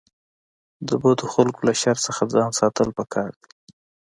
د بدو خلکو له شر څخه ځان ساتل پکار دي.